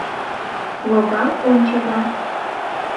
— Логал ончыза.